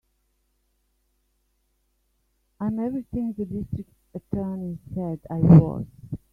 I'm everything the District Attorney said I was.